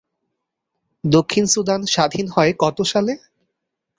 দক্ষিণ সুদান স্বাধীন হয় কত সালে?